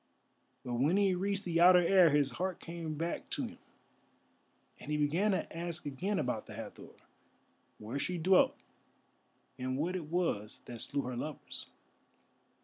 But when he reached the outer air, his heart came back to him, and he began to ask again about the Hathor—where she dwelt, and what it was that slew her lovers.